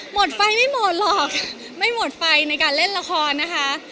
หมดไฟไม่หมดหรอกไม่หมดไฟในการเล่นละครนะคะ